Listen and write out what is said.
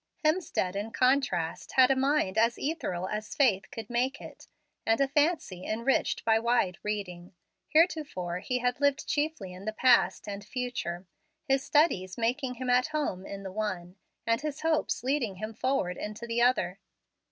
Hemstead, in contrast, had a mind as ethereal as faith could make it, and a fancy enriched by wide reading. Heretofore he had lived chiefly in the past and future, his studies making him at home in the one, and his hopes leading him forward into the other.